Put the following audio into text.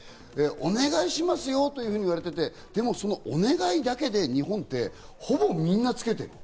お願いしますよと言われていて、でもそのお願いだけで、日本ってほぼみんなつけてる。